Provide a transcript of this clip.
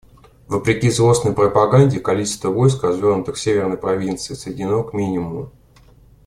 Вопреки злостной пропаганде, количество войск, развернутых в Северной провинции, сведено к минимуму.